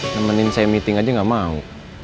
nemenin saya meeting aja gak mau